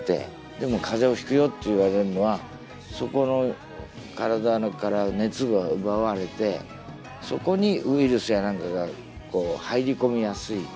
でも風邪をひくよって言われるのはそこの体から熱が奪われてそこにウイルスや何かが入り込みやすい。